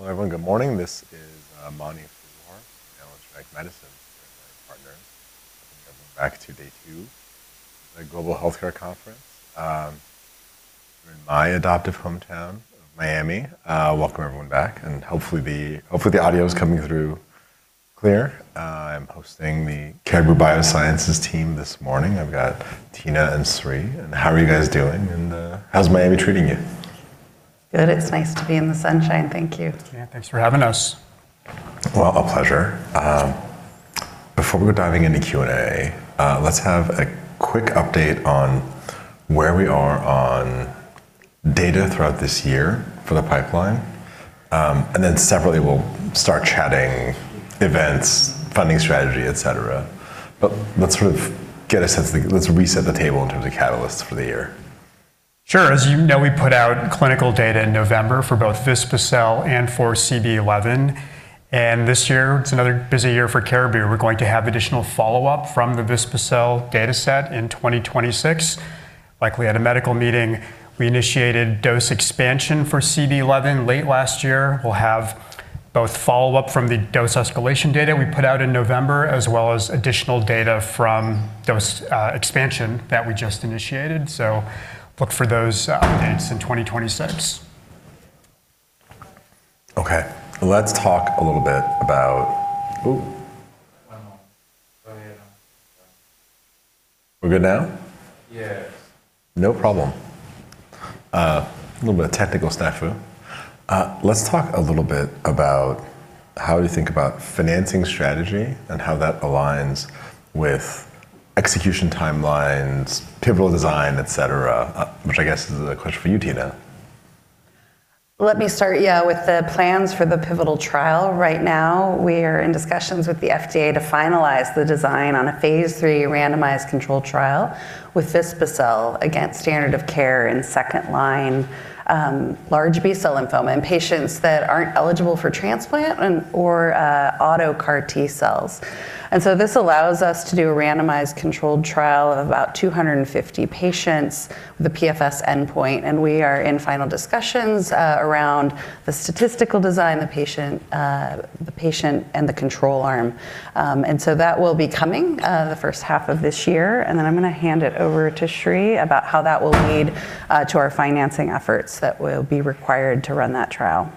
Hello, everyone. Good morning. This is Mani Foroohar from Leerink Partners with my partner. Welcome everyone back to day two of the Leerink Global Healthcare Conference. We're in my adoptive hometown of Miami. Welcome everyone back, and hopefully the audio is coming through clear. I'm hosting the Caribou Biosciences team this morning. I've got Tina and Sri. How are you guys doing, and how's Miami treating you? Good. It's nice to be in the sunshine. Thank you. Yeah. Thanks for having us. Well, a pleasure. Before we go diving into Q&A, let's have a quick update on where we are on data throughout this year for the pipeline. Separately, we'll start chatting events, funding strategy, et cetera. Let's reset the table in terms of catalysts for the year. Sure. As you know, we put out clinical data in November for both vispa-cel and for CB-011. This year, it's another busy year for Caribou. We're going to have additional follow-up from the vispa-cel dataset in 2026. Like we had a medical meeting, we initiated dose expansion for CB-011 late last year. We'll have both follow-up from the dose escalation data we put out in November, as well as additional data from dose expansion that we just initiated. Look for those updates in 2026. Okay. Let's talk a little bit about how we think about financing strategy and how that aligns with execution timelines, pivotal design, et cetera, which I guess is a question for you, Tina. Let me start, yeah, with the plans for the pivotal trial. Right now, we are in discussions with the FDA to finalize the design on a phase III randomized controlled trial with vispa-cel against standard of care in second line, large B-cell lymphoma in patients that aren't eligible for transplant and/or auto CAR T cells. This allows us to do a randomized controlled trial of about 250 patients with a PFS endpoint, and we are in final discussions around the statistical design, the patient and the control arm. That will be coming in the first half of this year, and then I'm gonna hand it over to Sri about how that will lead to our financing efforts that will be required to run that trial.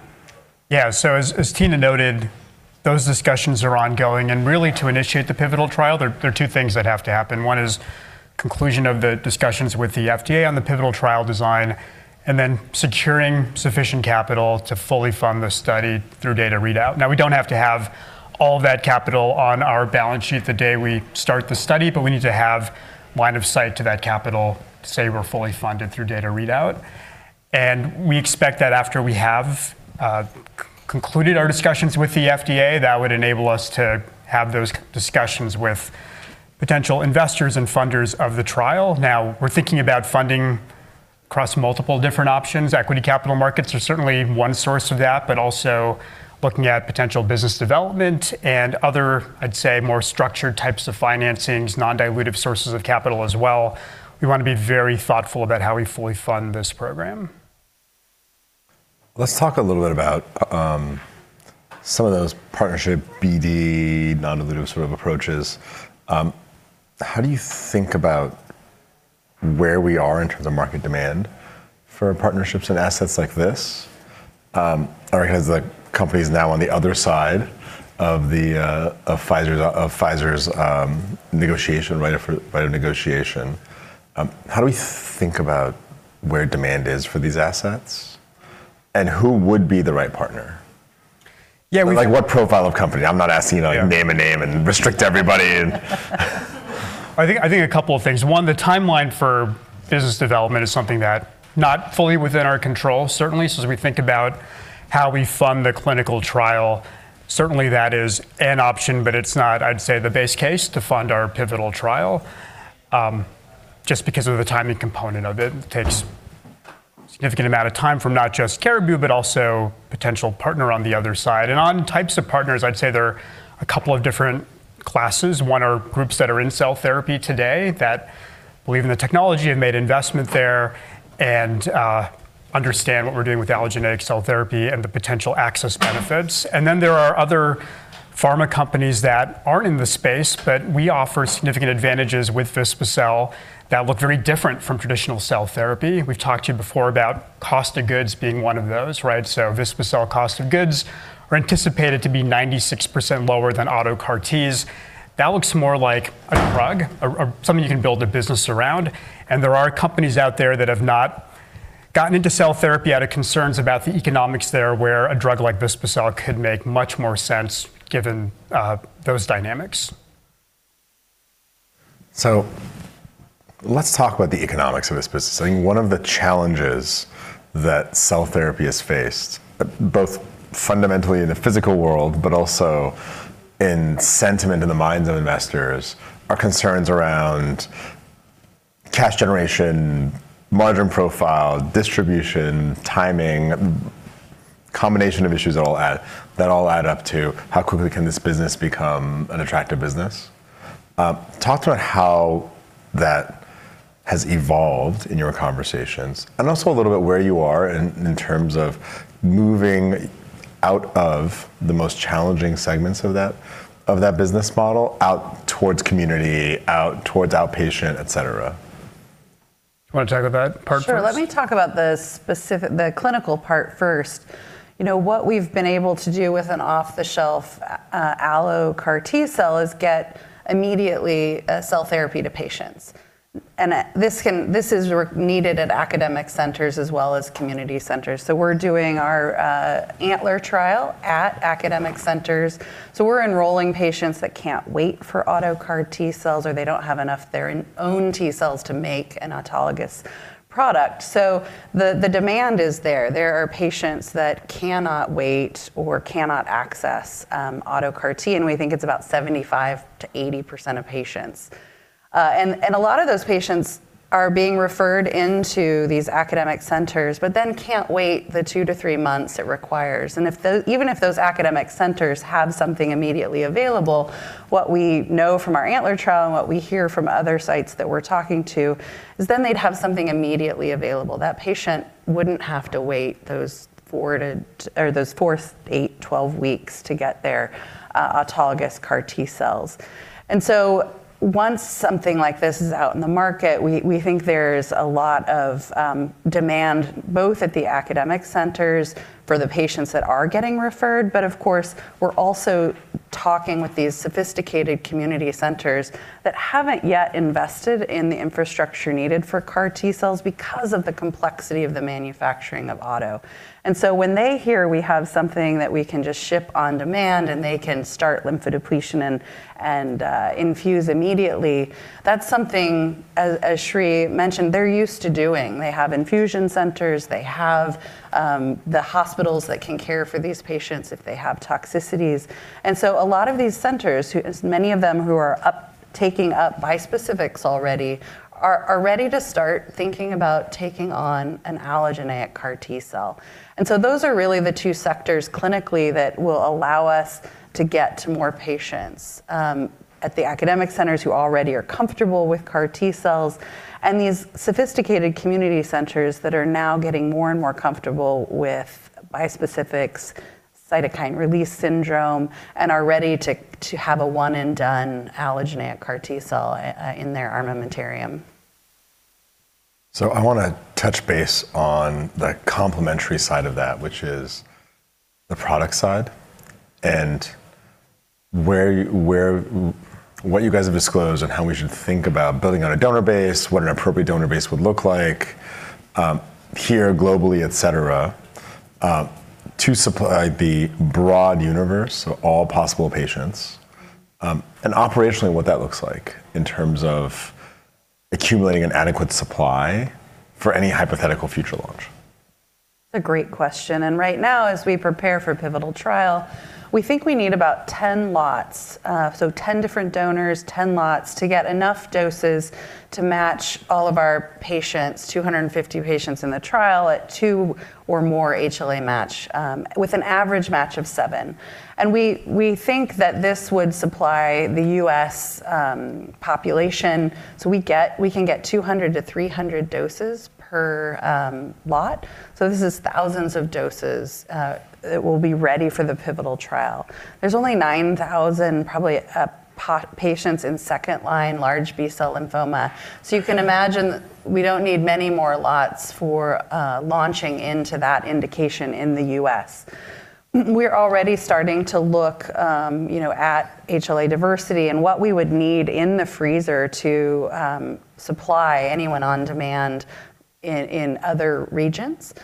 Yeah. Tina noted, those discussions are ongoing and really to initiate the pivotal trial, there are two things that have to happen. One is conclusion of the discussions with the FDA on the pivotal trial design, and then securing sufficient capital to fully fund the study through data readout. Now, we don't have to have all that capital on our balance sheet the day we start the study, but we need to have line of sight to that capital to say we're fully funded through data readout. We expect that after we have concluded our discussions with the FDA, that would enable us to have those discussions with potential investors and funders of the trial. Now, we're thinking about funding across multiple different options. Equity capital markets are certainly one source of that, but also looking at potential business development and other, I'd say, more structured types of financings, non-dilutive sources of capital as well. We wanna be very thoughtful about how we fully fund this program. Let's talk a little bit about some of those partnership BD non-dilutive sort of approaches. How do you think about where we are in terms of market demand for partnerships and assets like this? All right. As the company is now on the other side of Pfizer's negotiation right of negotiation, how do we think about where demand is for these assets, and who would be the right partner? Like what profile of company? I'm not asking you to like name a name and restrict everybody. I think a couple of things. One, the timeline for business development is something that not fully within our control, certainly. As we think about how we fund the clinical trial, certainly that is an option, but it's not, I'd say, the base case to fund our pivotal trial, just because of the timing component of it. It takes significant amount of time from not just Caribou, but also potential partner on the other side. On types of partners, I'd say there are a couple of different classes. One are groups that are in cell therapy today that believe in the technology and made investment there and understand what we're doing with allogeneic cell therapy and the potential access benefits. There are other pharma companies that aren't in the space, but we offer significant advantages with vispa-cel that look very different from traditional cell therapy. We've talked to you before about cost of goods being one of those, right? Vispa-cel cost of goods are anticipated to be 96% lower than auto CAR Ts. That looks more like a drug or something you can build a business around. There are companies out there that have not gotten into cell therapy out of concerns about the economics there, where a drug like vispa-cel could make much more sense given those dynamics. Let's talk about the economics of this business. I think one of the challenges that cell therapy has faced, both fundamentally in the physical world, but also in sentiment in the minds of investors, are concerns around cash generation, margin profile, distribution, timing, combination of issues that all add up to how quickly can this business become an attractive business. Talk to how that has evolved in your conversations, and also a little bit where you are in terms of moving out of the most challenging segments of that business model out towards community, out towards outpatient, et cetera. You wanna talk about that part first? Sure. Let me talk about the clinical part first. You know, what we've been able to do with an off-the-shelf allo CAR T cell is get immediately cell therapy to patients. This is required at academic centers as well as community centers. We're doing our ANTLER trial at academic centers. We're enrolling patients that can't wait for auto CAR T cells or they don't have enough their own T cells to make an autologous product. The demand is there. There are patients that cannot wait or cannot access auto CAR T, and we think it's about 75%-80% of patients. A lot of those patients are being referred into these academic centers, but then can't wait the two to three months it requires. Even if those academic centers have something immediately available, what we know from our ANTLER trial and what we hear from other sites that we're talking to is then they'd have something immediately available. That patient wouldn't have to wait those four, eight, 12 weeks to get their autologous CAR T-cells. Once something like this is out in the market, we think there's a lot of demand, both at the academic centers for the patients that are getting referred, but of course, we're also talking with these sophisticated community centers that haven't yet invested in the infrastructure needed for CAR T-cells because of the complexity of the manufacturing of autologous. When they hear we have something that we can just ship on demand and they can start lymphodepletion and infuse immediately, that's something as Sriram Krishnaswami mentioned, they're used to doing. They have infusion centers. They have the hospitals that can care for these patients if they have toxicities. A lot of these centers, as many of them who are taking up bispecifics already are, ready to start thinking about taking on an allogeneic CAR T-cell. Those are really the two sectors clinically that will allow us to get to more patients at the academic centers who already are comfortable with CAR T-cells and these sophisticated community centers that are now getting more and more comfortable with bispecifics, cytokine release syndrome, and are ready to have a one and done allogeneic CAR T-cell in their armamentarium. I wanna touch base on the complementary side of that, which is the product side and where what you guys have disclosed and how we should think about building out a donor base, what an appropriate donor base would look like, here globally, et cetera, to supply the broad universe, so all possible patients, and operationally what that looks like in terms of accumulating an adequate supply for any hypothetical future launch. That's a great question. Right now as we prepare for pivotal trial, we think we need about 10 lots. 10 different donors, 10 lots to get enough doses to match all of our patients, 250 patients in the trial at two or more HLA match, with an average match of seven. We think that this would supply the U.S. population. We can get 200-300 doses per lot. This is thousands of doses that will be ready for the pivotal trial. There's only 9,000 probably patients in second-line large B-cell lymphoma. You can imagine we don't need many more lots for launching into that indication in the U.S. We're already starting to look, you know, at HLA diversity and what we would need in the freezer to supply anyone on demand in other regions.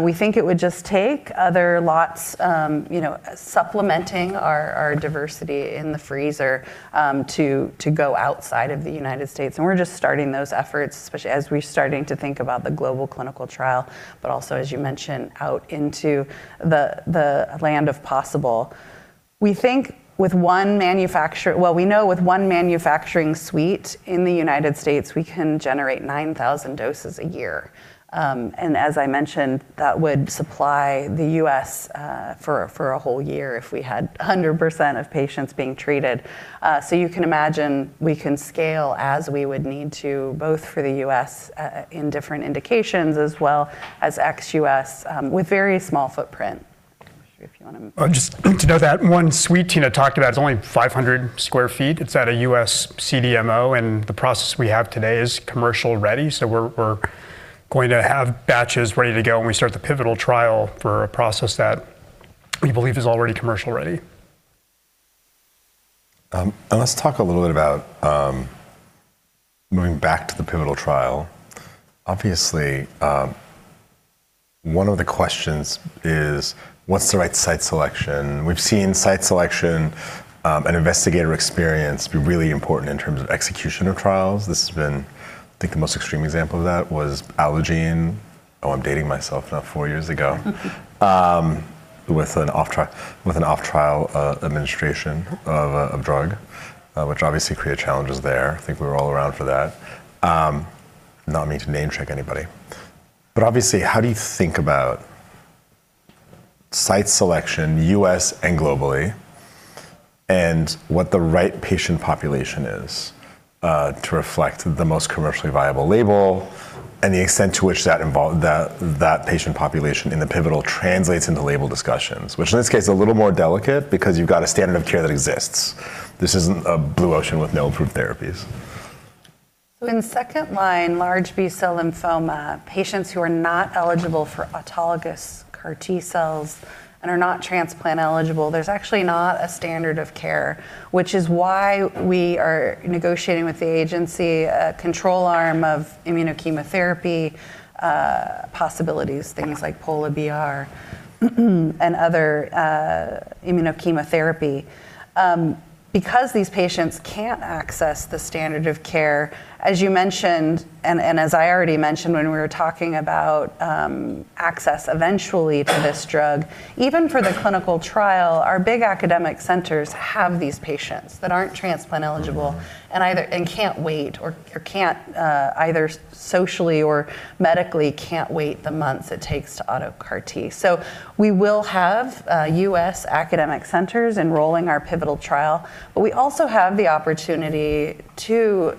We think it would just take other lots, you know, supplementing our diversity in the freezer, to go outside of the United States. We're just starting those efforts, especially as we're starting to think about the global clinical trial, but also, as you mentioned, out into the land of possible. Well, we know with one manufacturing suite in the United States, we can generate 9,000 doses a year. As I mentioned, that would supply the U.S. for a whole year if we had 100% of patients being treated. You can imagine we can scale as we would need to, both for the U.S., in different indications as well as ex-U.S., with very small footprint. Just to note that one suite Tina talked about is only 500 sq ft. It's at a U.S. CDMO, and the process we have today is commercially ready. We're going to have batches ready to go when we start the pivotal trial for a process that we believe is already commercially ready. Let's talk a little bit about moving back to the pivotal trial. Obviously, one of the questions is what's the right site selection? We've seen site selection and investigator experience be really important in terms of execution of trials. This has been, I think, the most extreme example of that was Allogene. I'm dating myself now, four years ago with an off-trial administration of a drug, which obviously created challenges there. I think we were all around for that. Not me to name check anybody. Obviously, how do you think about site selection, U.S. and globally, and what the right patient population is, to reflect the most commercially viable label and the extent to which that patient population in the pivotal translates into label discussions, which in this case is a little more delicate because you've got a standard of care that exists. This isn't a blue ocean with no approved therapies. In second-line large B-cell lymphoma, patients who are not eligible for autologous CAR T-cells and are not transplant eligible, there's actually not a standard of care, which is why we are negotiating with the agency a control arm of immunochemotherapy possibilities, things like Pola-BR, and other immunochemotherapy. Because these patients can't access the standard of care, as you mentioned and as I already mentioned when we were talking about access eventually to this drug, even for the clinical trial, our big academic centers have these patients that aren't transplant eligible and can't wait, either socially or medically, the months it takes to auto CAR T. We will have U.S. academic centers enrolling our pivotal trial, but we also have the opportunity to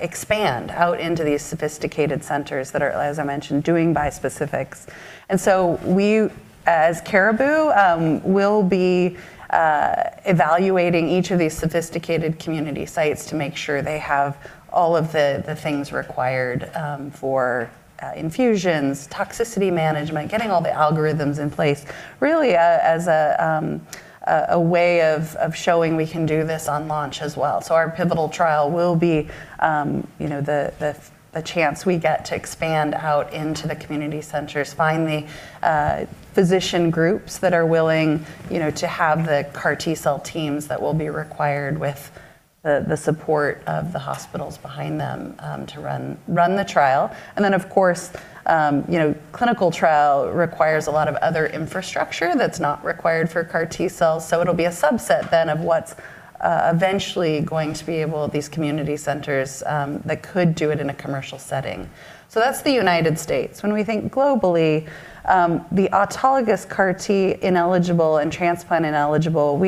expand out into these sophisticated centers that are, as I mentioned, doing bispecifics. We, as Caribou, will be evaluating each of these sophisticated community sites to make sure they have all of the things required for infusions, toxicity management, getting all the algorithms in place, really, as a way of showing we can do this on launch as well. Our pivotal trial will be, you know, the chance we get to expand out into the community centers, find the physician groups that are willing, you know, to have the CAR T-cell teams that will be required with the support of the hospitals behind them, to run the trial. Of course, you know, clinical trial requires a lot of other infrastructure that's not required for CAR T-cells, so it'll be a subset then of what's eventually going to be able at these community centers that could do it in a commercial setting. That's the United States. When we think globally, the autologous CAR T ineligible and transplant ineligible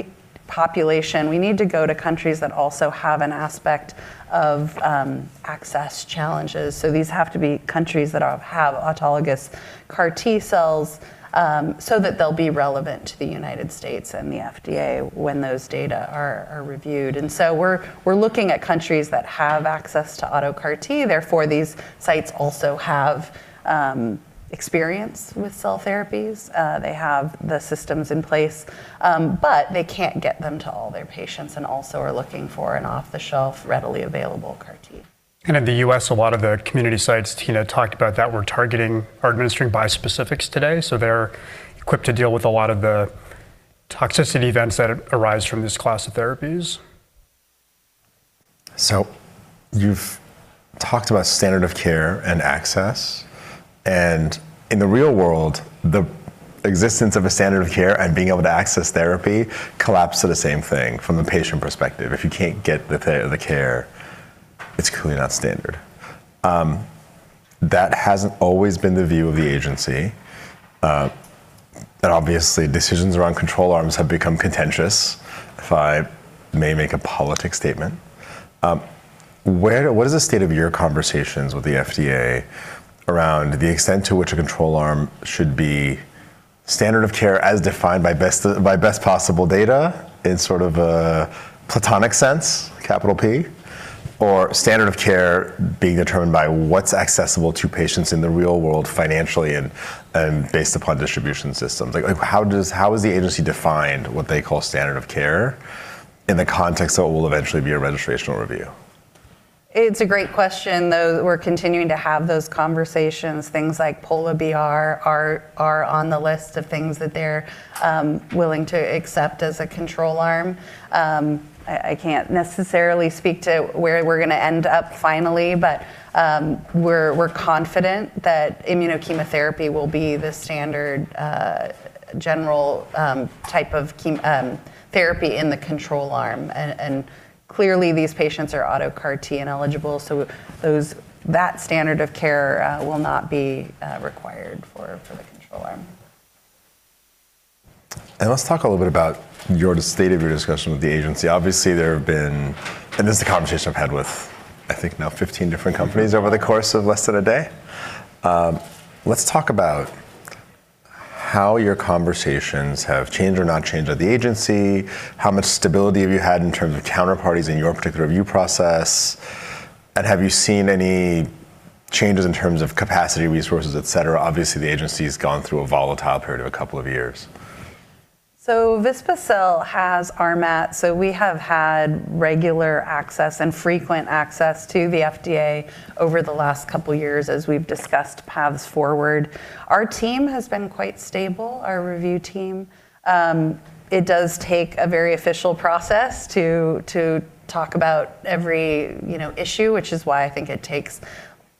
population, we need to go to countries that also have an aspect of access challenges. These have to be countries that have autologous CAR T-cells, so that they'll be relevant to the United States and the FDA when those data are reviewed. We're looking at countries that have access to auto CAR T, therefore, these sites also have experience with cell therapies. They have the systems in place, but they can't get them to all their patients and also are looking for an off-the-shelf, readily available CAR T. In the U.S., a lot of the community sites Tina talked about that we're targeting are administering bispecifics today, so they're equipped to deal with a lot of the toxicity events that arise from this class of therapies. You've talked about standard of care and access, and in the real world, the existence of a standard of care and being able to access therapy collapse to the same thing from the patient perspective. If you can't get the care, it's clearly not standard. That hasn't always been the view of the agency. Obviously, decisions around control arms have become contentious, if I may make a political statement. What is the state of your conversations with the FDA around the extent to which a control arm should be standard of care as defined by best possible data in sort of a platonic sense, capital P, or standard of care being determined by what's accessible to patients in the real world financially and based upon distribution systems? How has the agency defined what they call standard of care in the context of what will eventually be a registrational review? It's a great question, though we're continuing to have those conversations. Things like Pola-BR are on the list of things that they're willing to accept as a control arm. I can't necessarily speak to where we're gonna end up finally, but we're confident that immunochemotherapy will be the standard general type of therapy in the control arm. Clearly, these patients are auto CAR T ineligible, so that standard of care will not be required for the control arm. Let's talk a little bit about the state of your discussion with the agency. Obviously, there have been and this is a conversation I've had with, I think, now 15 different companies over the course of less than a day. Let's talk about how your conversations have changed or not changed at the agency. How much stability have you had in terms of counterparties in your particular review process? Have you seen any changes in terms of capacity, resources, et cetera? Obviously, the agency's gone through a volatile period of a couple of years. vispa-cel has RMAT, we have had regular access and frequent access to the FDA over the last couple years as we've discussed paths forward. Our team has been quite stable, our review team. It does take a very official process to talk about every, you know, issue, which is why I think it takes,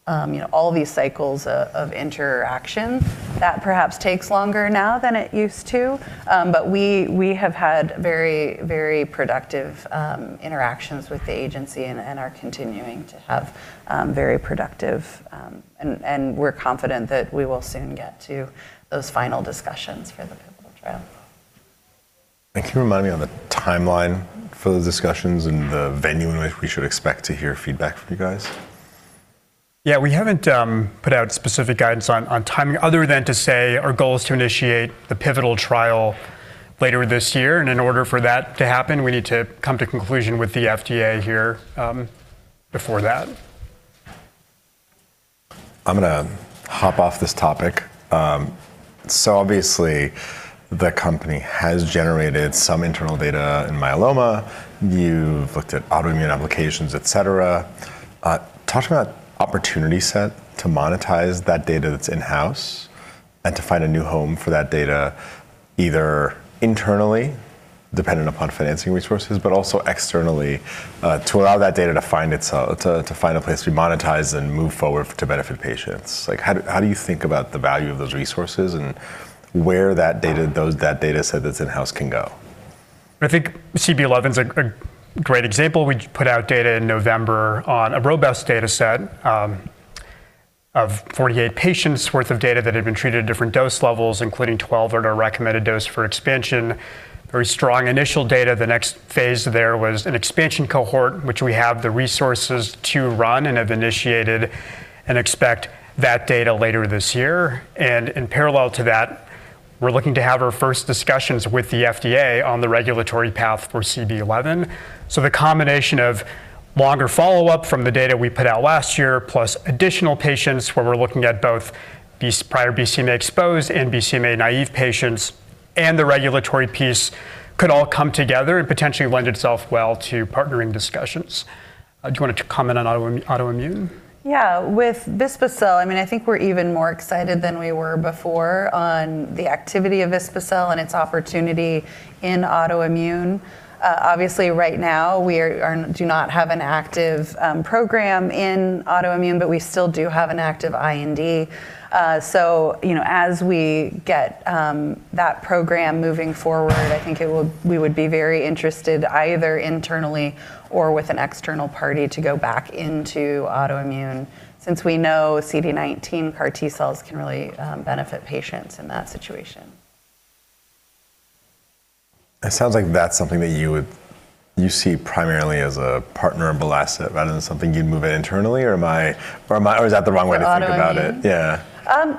you know, all these cycles of interaction. That perhaps takes longer now than it used to. But we have had very productive interactions with the agency and are continuing to have very productive interactions. We're confident that we will soon get to those final discussions for the pivotal trial. Can you remind me on the timeline for the discussions and the venue in which we should expect to hear feedback from you guys? Yeah. We haven't put out specific guidance on timing other than to say our goal is to initiate the pivotal trial later this year, and in order for that to happen, we need to come to conclusion with the FDA here, before that. I'm gonna hop off this topic. Obviously, the company has generated some internal data in myeloma. You've looked at autoimmune applications, et cetera. Talk to me about opportunity set to monetize that data that's in-house and to find a new home for that data, either internally dependent upon financing resources, but also externally, to allow that data to find itself, to find a place to be monetized and move forward to benefit patients. Like how do you think about the value of those resources and where that data set that's in-house can go? I think CB-011 is a great example. We put out data in November on a robust data set of 48 patients worth of data that had been treated at different dose levels, including 12 at our recommended dose for expansion. Very strong initial data. The next phase there was an expansion cohort, which we have the resources to run and have initiated and expect that data later this year. In parallel to that, we're looking to have our first discussions with the FDA on the regulatory path for CB-011. The combination of longer follow-up from the data we put out last year, plus additional patients where we're looking at both these prior BCMA-exposed and BCMA-naive patients, and the regulatory piece could all come together and potentially lend itself well to partnering discussions. Do you want to comment on autoimmune? Yeah. With vispa-cel, I mean, I think we're even more excited than we were before on the activity of vispa-cel and its opportunity in autoimmune. Obviously right now we do not have an active program in autoimmune, but we still do have an active IND. You know, as we get that program moving forward, I think we would be very interested, either internally or with an external party, to go back into autoimmune since we know CD19 CAR T cells can really benefit patients in that situation. It sounds like that's something that you would see primarily as a partnerable asset rather than something you'd move in internally. Or am I, or is that the wrong way to think about it? For autoimmune? Yeah.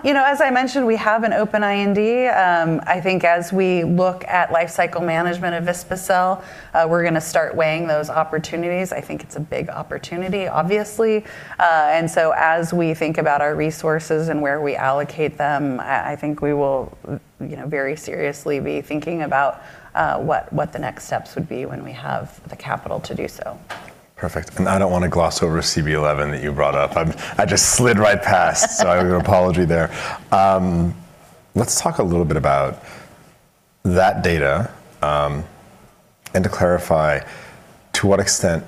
You know, as I mentioned, we have an open IND. I think as we look at life cycle management of vispa-cel, we're gonna start weighing those opportunities. I think it's a big opportunity, obviously. As we think about our resources and where we allocate them, I think we will, you know, very seriously be thinking about what the next steps would be when we have the capital to do so. Perfect. I don't wanna gloss over CB-011 that you brought up. I just slid right past. I owe you an apology there. Let's talk a little bit about that data. To clarify, to what extent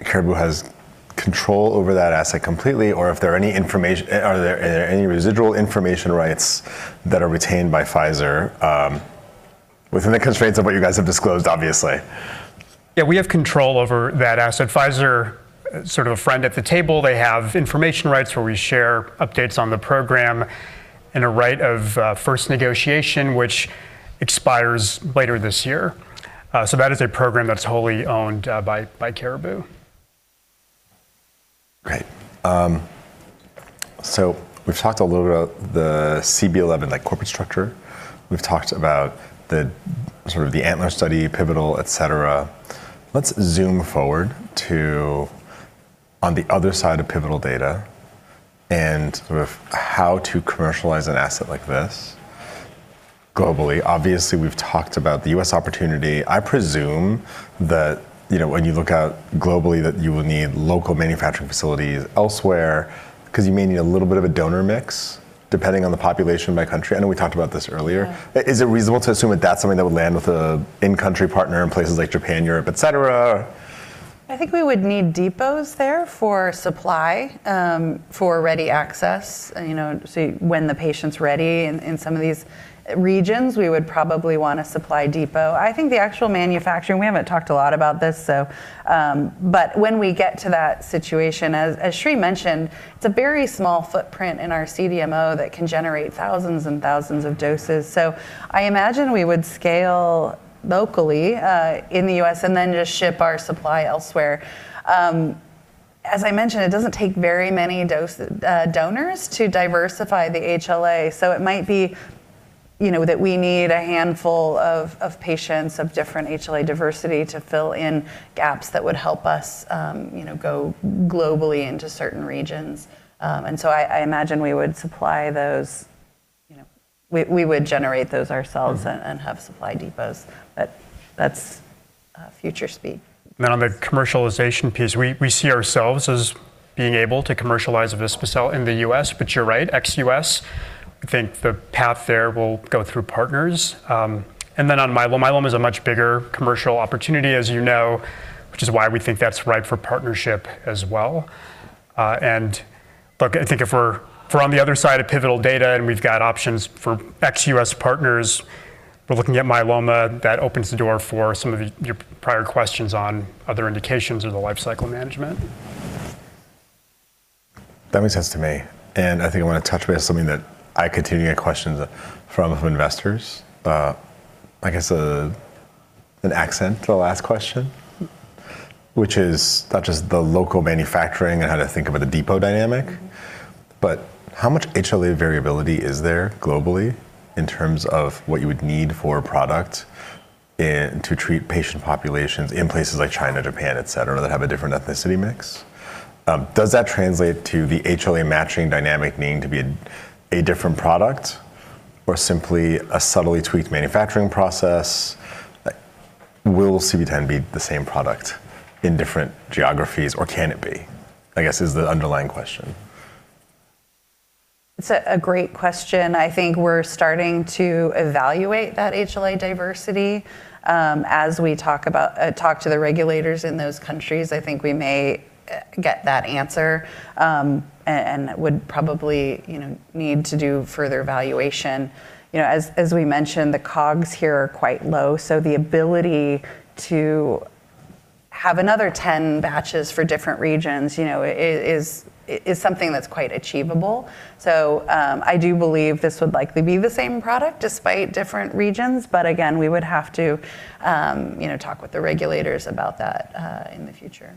Caribou has control over that asset completely or, are there any residual information rights that are retained by Pfizer, within the constraints of what you guys have disclosed, obviously? Yeah, we have control over that asset. Pfizer is sort of a friend at the table. They have information rights where we share updates on the program and a right of first negotiation, which expires later this year. That is a program that's wholly owned by Caribou. Great. We've talked a little about the CB-011, like corporate structure. We've talked about the sort of ANTLER study, pivotal, et cetera. Let's zoom forward to the other side of pivotal data and sort of how to commercialize an asset like this globally. Obviously, we've talked about the U.S. opportunity. I presume that, you know, when you look out globally, that you will need local manufacturing facilities elsewhere 'cause you may need a little bit of a donor mix depending on the population by country. I know we talked about this earlier. Yeah. Is it reasonable to assume that that's something that would land with a in-country partner in places like Japan, Europe, et cetera? I think we would need depots there for supply, for ready access, you know, so when the patient's ready in some of these regions, we would probably want a supply depot. I think the actual manufacturing, we haven't talked a lot about this, so, but when we get to that situation, as Sri mentioned, it's a very small footprint in our CDMO that can generate thousands and thousands of doses. I imagine we would scale locally, in the U.S. and then just ship our supply elsewhere. As I mentioned, it doesn't take very many donors to diversify the HLA. It might be, you know, that we need a handful of patients of different HLA diversity to fill in gaps that would help us, you know, go globally into certain regions. I imagine we would supply those. You know, we would generate those ourselves. Mm-hmm have supply depots. That's future speed. On the commercialization piece, we see ourselves as being able to commercialize vispa-cel in the US. But you're right, ex-US, I think the path there will go through partners. On myeloma is a much bigger commercial opportunity, as you know, which is why we think that's ripe for partnership as well. Look, I think if we're on the other side of pivotal data and we've got options for ex-US partners, we're looking at myeloma, that opens the door for some of your prior questions on other indications or the life cycle management. That makes sense to me, and I think I wanna touch base on something that I continue to get questions from investors. I guess an addendum to the last question. Which is not just the local manufacturing and how to think about the depot dynamic. How much HLA variability is there globally in terms of what you would need for a product to treat patient populations in places like China, Japan, et cetera, that have a different ethnicity mix? Does that translate to the HLA matching dynamic needing to be a different product or simply a subtly tweaked manufacturing process? Like, will CB-010 be the same product in different geographies or can it be, I guess is the underlying question. It's a great question. I think we're starting to evaluate that HLA diversity. As we talk to the regulators in those countries, I think we may get that answer, and would probably, you know, need to do further evaluation. You know, as we mentioned, the COGS here are quite low, so the ability to have another 10 batches for different regions, you know, is something that's quite achievable. I do believe this would likely be the same product despite different regions, but again, we would have to, you know, talk with the regulators about that in the future.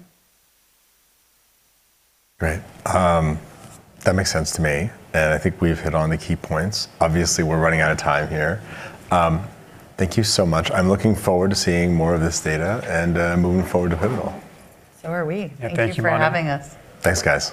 Great. That makes sense to me. I think we've hit on the key points. Obviously, we're running out of time here. Thank you so much. I'm looking forward to seeing more of this data and moving forward to pivotal. Are we. Yeah. Thank you, Mani. Thank you for having us. Thanks, guys.